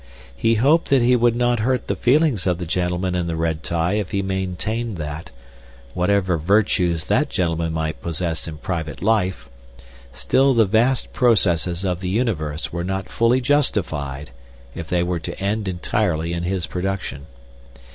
He hoped that he would not hurt the feelings of the gentleman in the red tie if he maintained that, whatever virtues that gentleman might possess in private life, still the vast processes of the universe were not fully justified if they were to end entirely in his production.